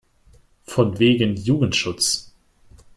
Von wegen Jugendschutz!